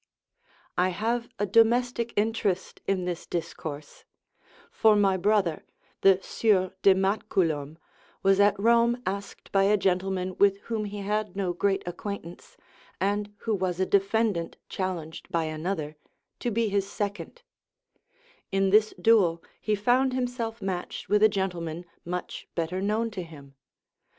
I have a domestic interest in this discourse; for my brother, the Sieur de Mattecoulom, was at Rome asked by a gentleman with whom he had no great acquaintance, and who was a defendant challenged by another, to be his second; in this duel he found himself matched with a gentleman much better known to him.